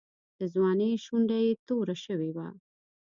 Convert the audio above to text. د ځوانۍ شونډه یې توره شوې وه.